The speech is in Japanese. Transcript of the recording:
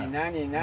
何？